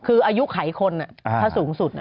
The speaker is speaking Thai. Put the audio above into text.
คืออายุไขคนถ้าสูงสุด